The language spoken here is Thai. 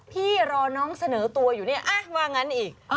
พี่รอน้องเสนอตัวอยู่เนี่ยว่างั้นอีก